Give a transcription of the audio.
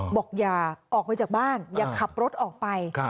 บอกอย่าออกไปจากบ้านอย่าขับรถออกไป